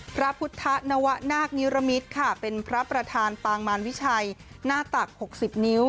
พระพุทธนวนาคนิรมิตค่ะเป็นพระประธานปางมารวิชัยหน้าตัก๖๐นิ้ว